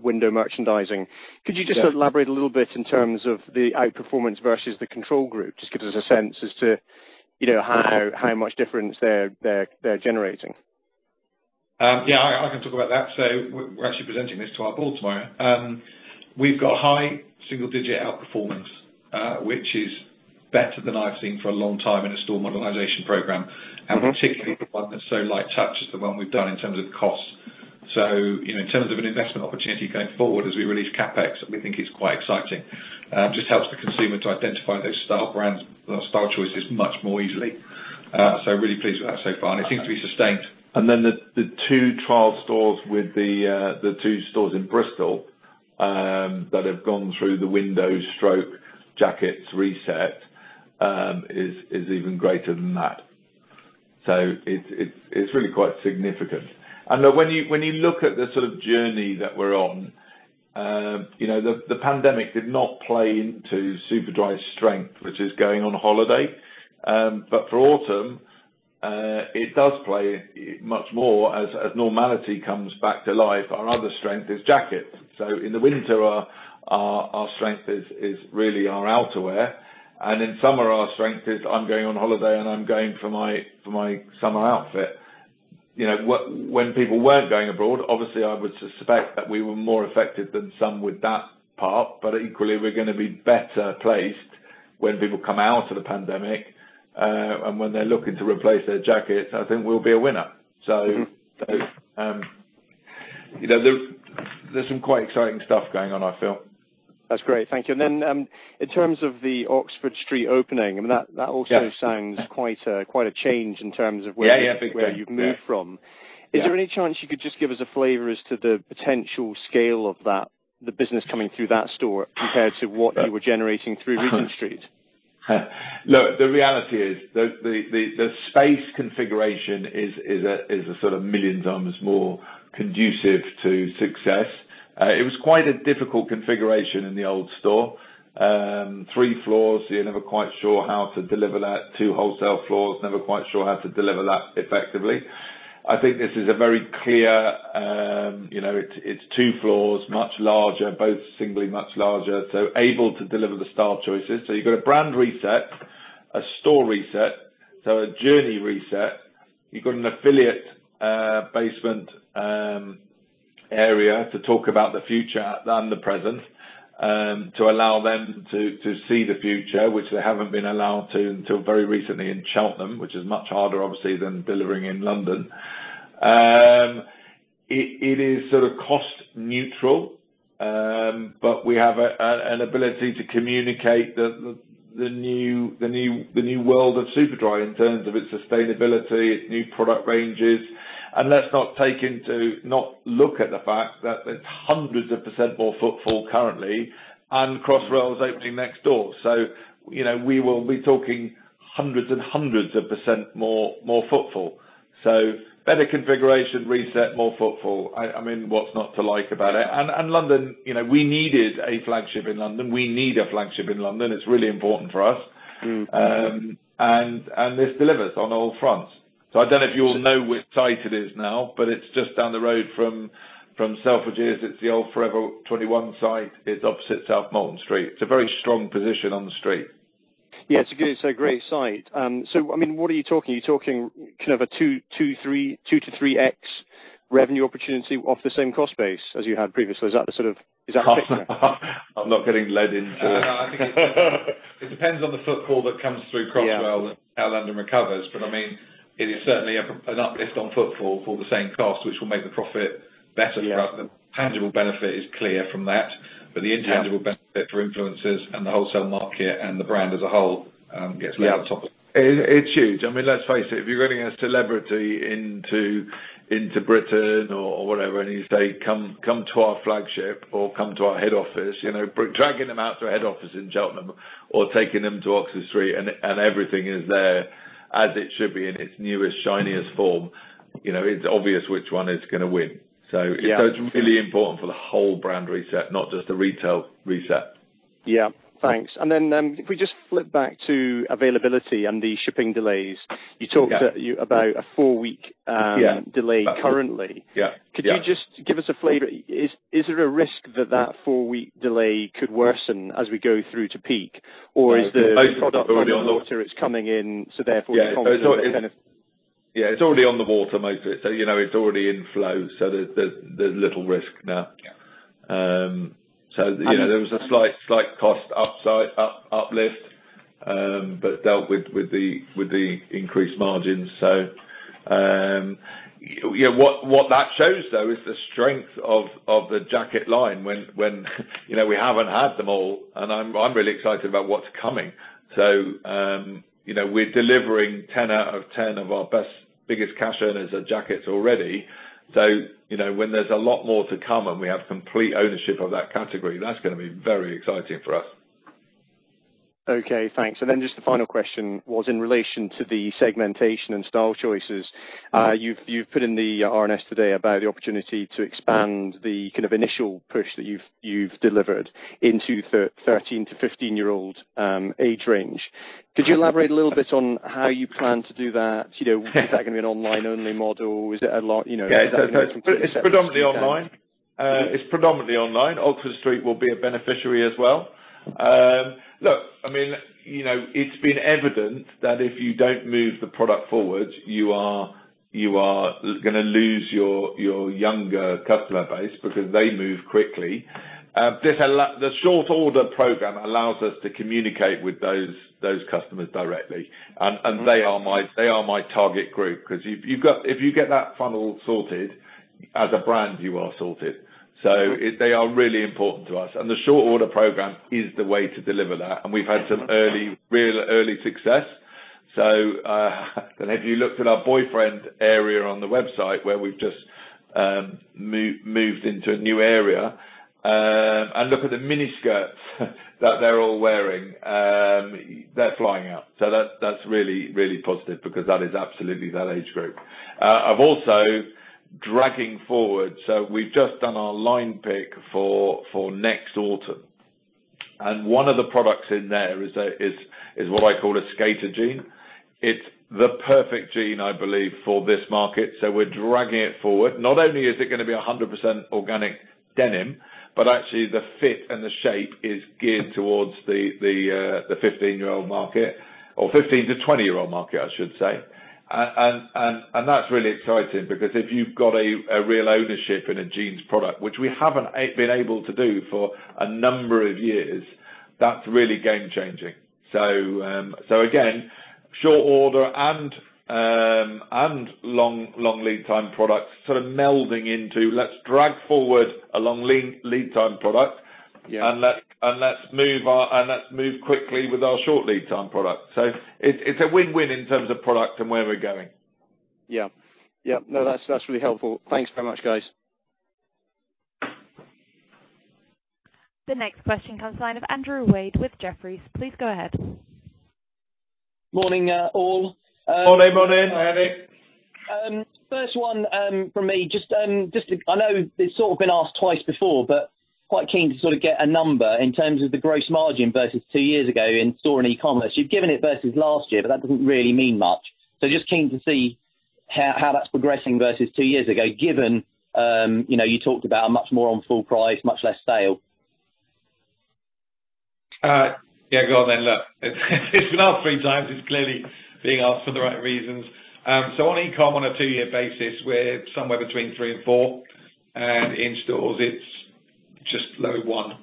H: window merchandising.
A: Yeah.
H: Could you just elaborate a little bit in terms of the outperformance versus the control group? Just give us a sense as to how much difference they're generating.
B: Yeah, I can talk about that. We're actually presenting this to our board tomorrow. We've got high single-digit outperformance, which is better than I've seen for a long time in a store modernization program, and particularly for one that's so light touch as the one we've done in terms of costs. In terms of an investment opportunity going forward as we release CapEx, we think it's quite exciting. Just helps the consumer to identify those style brands, or style choices, much more easily. Really pleased with that so far, and it seems to be sustained.
A: The two trial stores with the two stores in Bristol, that have gone through the window stroke jackets reset, is even greater than that. It's really quite significant. When you look at the sort of journey that we're on, the pandemic did not play into Superdry's strength, which is going on holiday. For autumn, it does play much more as normality comes back to life. Our other strength is jackets. In the winter, our strength is really our outerwear, and in summer, our strength is I'm going on holiday and I'm going for my summer outfit. When people weren't going abroad, obviously I would suspect that we were more effective than some with that part, equally we're going to be better placed when people come out of the pandemic, and when they're looking to replace their jackets, I think we'll be a winner. There's some quite exciting stuff going on, I feel.
H: That's great. Thank you. In terms of the Oxford Street opening, that also.
A: Yeah
H: sounds quite a change in terms of where-
A: Yeah. Big time. Yeah.
H: you've moved from.
A: Yeah.
H: Is there any chance you could just give us a flavor as to the potential scale of that, the business coming through that store compared to what you were generating through Regent Street?
A: Look, the reality is, the space configuration is a sort of million times more conducive to success. It was quite a difficult configuration in the old store. Three floors, so you're never quite sure how to deliver that. Two wholesale floors, never quite sure how to deliver that effectively. I think this is a very clear, it's two floors, much larger, both singly much larger, so able to deliver the style choices. You've got a brand reset, a store reset, so a journey reset. You've got an affiliate basement area to talk about the future and the present, to allow them to see the future, which they haven't been allowed to until very recently in Cheltenham, which is much harder obviously than delivering in London. It is sort of cost neutral, but we have an ability to communicate the new world of Superdry in terms of its sustainability, its new product ranges. Let's not look at the fact that it's hundreds of percent more footfall currently, and Crossrail is opening next door. We will be talking hundreds and hundreds of percent more footfall. Better configuration reset, more footfall. What's not to like about it? London, we needed a flagship in London. We need a flagship in London. It's really important for us. This delivers on all fronts. I don't know if you all know which site it is now, but it's just down the road from Selfridges. It's the old Forever 21 site. It's opposite South Molton Street. It's a very strong position on the street.
H: Yeah, it's a great site. What are you talking, are you talking kind of a 2x-3x revenue opportunity off the same cost base as you had previously? Is that the sort of metric there?
A: I'm not getting led into it.
B: It depends on the footfall that comes through Crossrail.
H: Yeah
B: as London recovers. It is certainly an uplift on footfall for the same cost, which will make the profit better for us.
H: Yeah.
B: The tangible benefit is clear from that.
H: Yeah
B: The intangible benefit for influencers and the wholesale market and the brand as a whole gets led on top of it.
A: It's huge. Let's face it, if you're getting a celebrity into Britain or whatever, and you say, "Come to our flagship," or, "Come to our head office," dragging them out to a head office in Cheltenham or taking them to Oxford Street and everything is there as it should be in its newest, shiniest form, it's obvious which one is going to win.
H: Yeah.
A: It's really important for the whole brand reset, not just the retail reset.
H: Yeah. Thanks. If we just flip back to availability and the shipping delays.
A: Okay.
H: You talked about a four-week-
A: Yeah
H: delay currently.
A: Yeah.
H: Could you just give us a flavor, is there a risk that that four-week delay could worsen as we go through to peak? Is the product already on the water, it's coming in, so therefore you're confident?
A: Yeah, it's already on the water, most of it. It's already in flow, so there's little risk now.
H: Yeah.
A: There was a slight cost uplift, but dealt with the increased margins. What that shows, though, is the strength of the jacket line when we haven't had them all, and I'm really excited about what's coming. We're delivering 10 out of 10 of our best, biggest cash earners are jackets already. When there's a lot more to come and we have complete ownership of that category, that's going to be very exciting for us.
H: Okay, thanks. Then just the final question was in relation to the segmentation and style choices. You've put in the RNS today about the opportunity to expand the initial push that you've delivered into the 13 to 15-year-old age range. Could you elaborate a little bit on how you plan to do that? Is that going to be an online-only model, or is it a lot?
A: It's predominantly online. Oxford Street will be a beneficiary as well. Look, it's been evident that if you don't move the product forward, you are going to lose your younger customer base because they move quickly. The short order program allows us to communicate with those customers directly. They are my target group because if you get that funnel sorted, as a brand, you are sorted. They are really important to us, and the short order program is the way to deliver that, and we've had some real early success. If you looked at our boyfriend area on the website where we've just moved into a new area, and look at the miniskirts that they're all wearing, they're flying out. That's really, really positive because that is absolutely that age group. I've also, dragging forward, we've just done our line pick for next autumn, and one of the products in there is what I call a skater jean. It's the perfect jean, I believe, for this market. We're dragging it forward. Not only is it going to be 100% organic denim, but actually the fit and the shape is geared towards the 15-year-old market, or 15-20-year-old market, I should say. That's really exciting because if you've got a real ownership in a jeans product, which we haven't been able to do for a number of years, that's really game-changing. Again, short order and long lead time products sort of melding into, let's drag forward a long lead time product.
B: Yeah Let's move quickly with our short lead time product. It's a win-win in terms of product and where we're going.
H: Yeah. No, that's really helpful. Thanks very much, guys.
C: The next question comes line of Andrew Wade with Jefferies. Please go ahead.
I: Morning, all.
B: Morning. Morning.
I: First one from me, I know it's sort of been asked twice before. Quite keen to sort of get a number in terms of the gross margin versus two years ago in store and e-commerce. You've given it versus last year. That doesn't really mean much. Just keen to see how that's progressing versus two years ago, given you talked about much more on full price, much less sale.
A: Yeah, go on then. Look, it's been asked three times, it's clearly being asked for the right reasons. On e-com, on a two-year basis, we're somewhere between three and four, and in stores, it's just low one.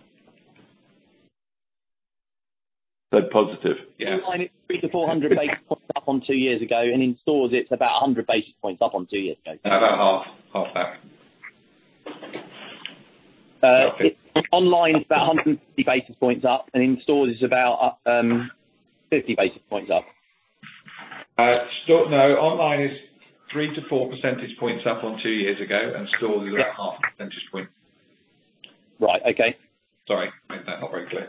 B: Positive?
A: Yeah.
I: Online it's 300-400 basis points up on two years ago and in stores it's about 100 basis points up on two years ago.
A: About half back.
I: Online it's about 150 basis points up and in stores it's about 50 basis points up.
A: No. Online is 3-4 percentage points up on two years ago and stores is about half a percentage point.
I: Right. Okay.
A: Sorry, made that not very clear.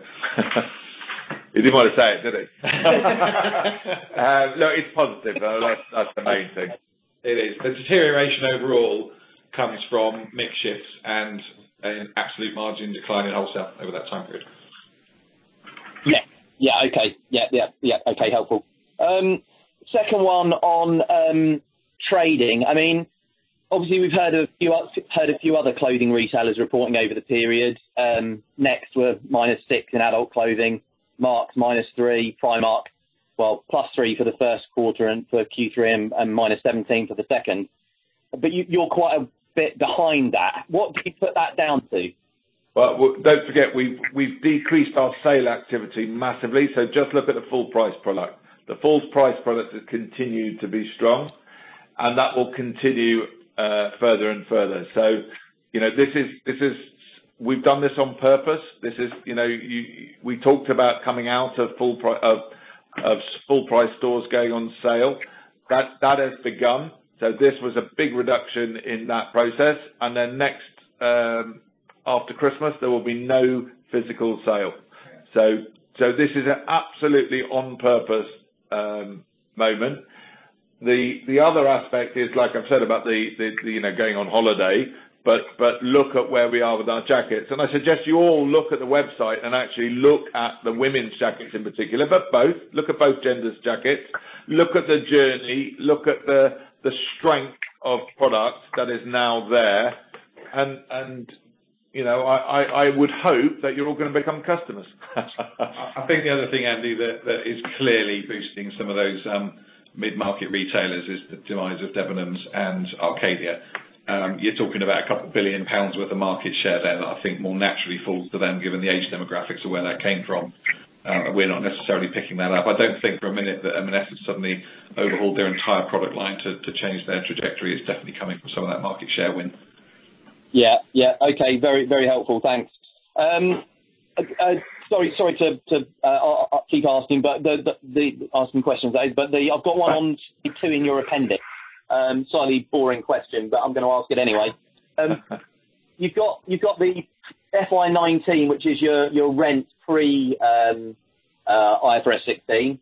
B: He didn't want to say it, did he? No, it's positive though. That's the main thing.
A: It is. The deterioration overall comes from mix shifts and an absolute margin decline in wholesale over that time period.
I: Yeah. Okay. Yeah. Okay. Helpful. Second one on trading. Obviously, we've heard a few other clothing retailers reporting over the period. Next were -6% in adult clothing, Marks -3%, Primark, well +3% for the first quarter and for Q3 and -17% for the second. You're quite a bit behind that. What do you put that down to?
A: Well, don't forget we've decreased our sale activity massively, so just look at the full price product. The full price product has continued to be strong, and that will continue further and further. We've done this on purpose. We talked about coming out of full price stores going on sale. That has begun. This was a big reduction in that process. Next, after Christmas, there will be no physical sale. This is an absolutely on purpose moment. The other aspect is, like I've said about the going on holiday, look at where we are with our jackets. I suggest you all look at the website and actually look at the women's jackets in particular, both. Look at both genders' jackets. Look at the journey. Look at the strength of product that is now there, and I would hope that you're all going to become customers.
B: I think the other thing, Andy, that is clearly boosting some of those mid-market retailers is the demise of Debenhams and Arcadia. You're talking about 2 billion pounds worth of market share there that I think more naturally falls to them given the age demographics of where that came from. We're not necessarily picking that up. I don't think for a minute that M&S has suddenly overhauled their entire product line to change their trajectory. It's definitely coming from some of that market share win.
I: Yeah. Okay. Very helpful. Thanks. Sorry to keep asking questions, I've got one on two in your appendix. Slightly boring question, I'm going to ask it anyway. You've got the FY 2019, which is your rent-free IFRS 16,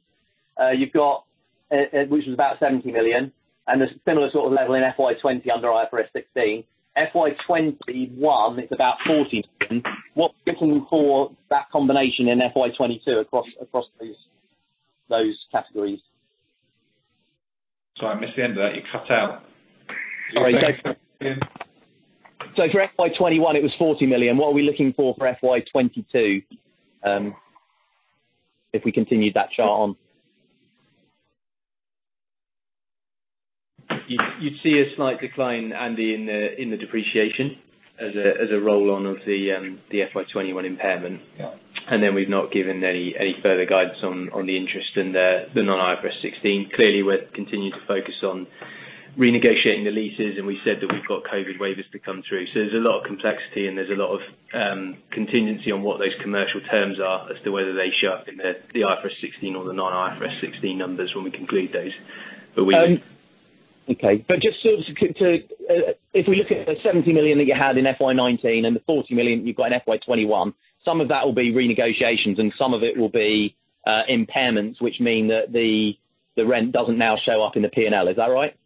I: which was about 70 million, and a similar sort of level in FY 2020 under IFRS 16. FY 2021, it's about 40 million. What's looking for that combination in FY 2022 across those categories?
B: Sorry, I missed the end there. It cut out.
I: For FY21 it was £40 million. What are we looking for FY22 if we continued that chart on?
B: You'd see a slight decline, Andy, in the depreciation as a roll-on of the FY 2021 impairment.
A: Yeah.
B: We've not given any further guidance on the interest and the non-IFRS 16. Clearly, we're continuing to focus on renegotiating the leases, and we said that we've got COVID waivers to come through. There's a lot of complexity and there's a lot of contingency on what those commercial terms are as to whether they show up in the IFRS 16 or the non-IFRS 16 numbers when we conclude those.
I: Okay. If we look at the 70 million that you had in FY 2019 and the 40 million you've got in FY 2021, some of that will be renegotiations and some of it will be impairments, which mean that the rent doesn't now show up in the P&L. Is that right?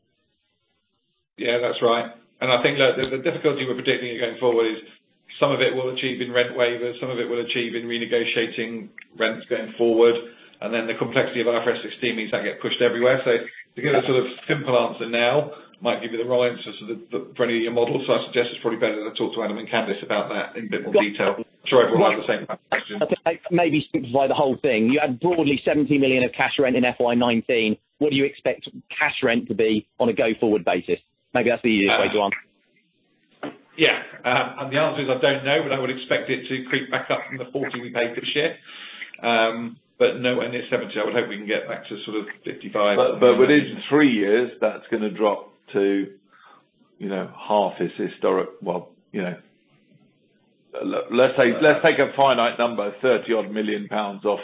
B: Yeah, that's right. I think the difficulty with predicting it going forward is some of it we will achieve in rent waivers, some of it we will achieve in renegotiating rents going forward. The complexity of IFRS 16 means that gets pushed everywhere. To give a sort of simple answer now might give you the right answer for any of your models, so I suggest it is probably better to talk to Adam and Candice about that in a bit more detail. I am sure everyone will have the same kind of question.
I: Okay. Maybe simplify the whole thing. You had broadly 70 million of cash rent in FY 2019. What do you expect cash rent to be on a go-forward basis? Maybe that's the easiest way to answer.
B: Yeah. The answer is, I don't know, but I would expect it to creep back up from the 40 we paid this year. But no, only at 70. I would hope we can get back to sort of 55.
A: Within three years, that's going to drop to half its historic. Well, let's take a finite number, 30-odd million pounds, not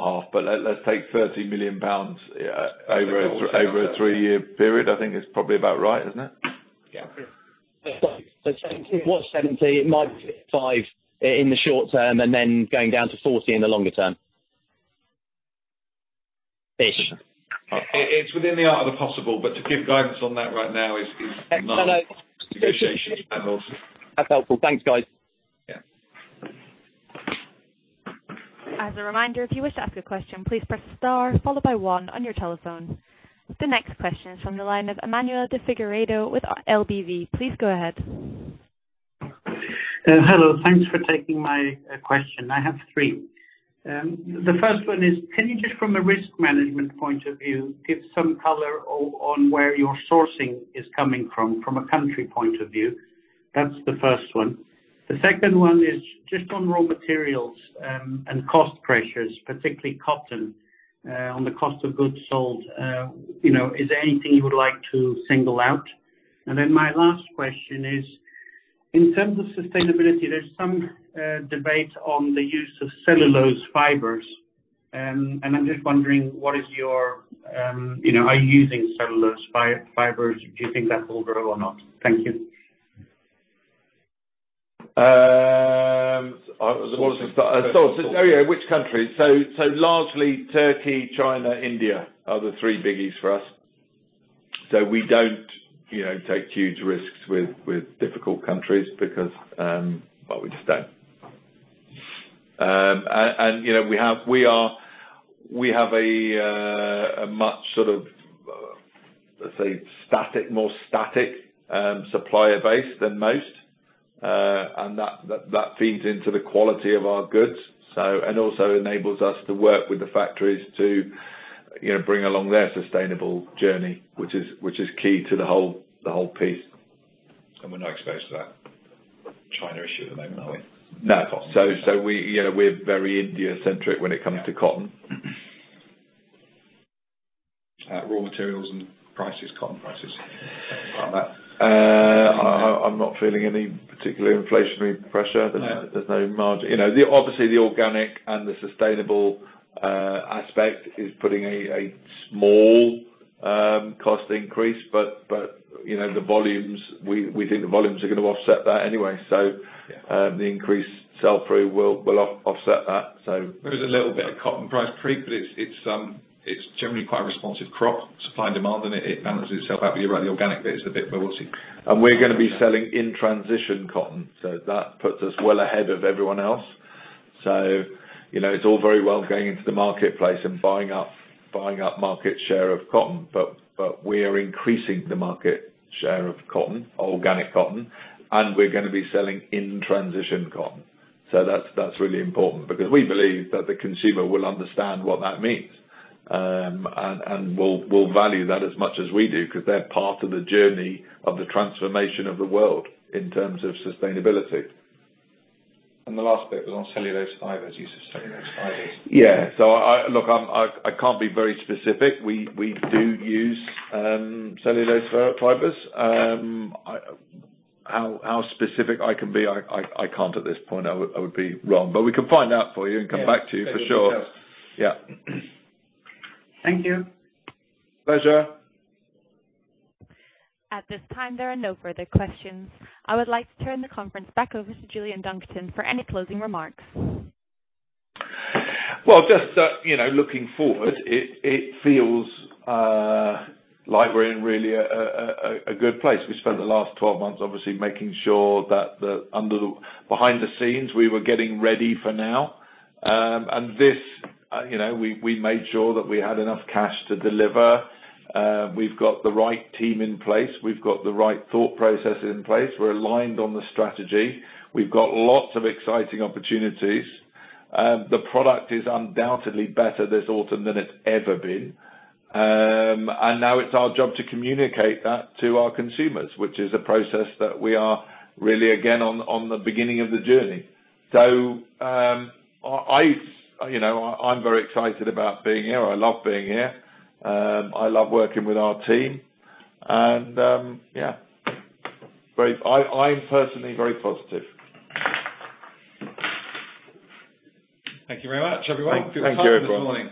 A: half, but 30 million pounds over a three-year period, I think is probably about right, isn't it?
B: Yeah.
I: It was 70. It might be 5 in the short term, and then going down to 40 in the longer term. Ish.
B: It's within the art of the possible, but to give guidance on that right now.
I: Hello
B: negotiations.
I: That's helpful. Thanks, guys.
B: Yeah.
C: As a reminder, if you wish to ask a question, please press star followed by 1 on your telephone. The next question is from the line of Emmanuel de Figueiredo with LBV. Please go ahead.
J: Hello. Thanks for taking my question. I have three. The first one is, can you just from a risk management point of view, give some color on where your sourcing is coming from a country point of view? That's the first one. The second one is just on raw materials, and cost pressures, particularly cotton, on the cost of goods sold. Is there anything you would like to single out? My last question is, in terms of sustainability, there's some debate on the use of cellulose fibers. I'm just wondering, are you using cellulose fibers? Do you think that will grow or not? Thank you.
A: Oh, yeah, which countries? Largely Turkey, China, India are the three biggies for us. We don't take huge risks with difficult countries because, well, we just don't. We have a much sort of, let's say, more static supplier base than most. That feeds into the quality of our goods, and also enables us to work with the factories to bring along their sustainable journey, which is key to the whole piece.
B: We're not exposed to that China issue at the moment, are we?
A: No. We're very India-centric when it comes to cotton.
B: Raw materials and prices, cotton prices.
A: I'm not feeling any particular inflationary pressure.
B: No.
A: There's no margin. Obviously, the organic and the sustainable aspect is putting a small cost increase, but we think the volumes are going to offset that anyway.
B: Yeah
A: The increased sell-through will offset that.
B: There is a little bit of cotton price creep, but it's generally quite a responsive crop, supply and demand, and it balances itself out. You're right, the organic bit is a bit, but we'll see.
A: We're going to be selling in transition cotton, so that puts us well ahead of everyone else. It's all very well going into the marketplace and buying up market share of cotton, but we are increasing the market share of cotton, organic cotton, and we're going to be selling in transition cotton. That's really important because we believe that the consumer will understand what that means, and will value that as much as we do because they're part of the journey of the transformation of the world in terms of sustainability. The last bit was on cellulose fibers, use of cellulose fibers. Yeah. Look, I can't be very specific. We do use cellulose fibers.
J: Yeah.
A: How specific I can be, I can't at this point. I would be wrong. We can find out for you and come back to you, for sure.
J: Yeah.
A: Yeah.
J: Thank you.
A: Pleasure.
C: At this time, there are no further questions. I would like to turn the conference back over to Julian Dunkerton for any closing remarks.
A: Well, just looking forward, it feels like we're in really a good place. We spent the last 12 months obviously making sure that behind the scenes we were getting ready for now. We made sure that we had enough cash to deliver. We've got the right team in place. We've got the right thought process in place. We're aligned on the strategy. We've got lots of exciting opportunities. The product is undoubtedly better this autumn than it's ever been. Now it's our job to communicate that to our consumers, which is a process that we are really, again, on the beginning of the journey. I'm very excited about being here. I love being here. I love working with our team. I'm personally very positive.
B: Thank you very much, everyone.
A: Thank you, everyone.
B: Good luck for this morning.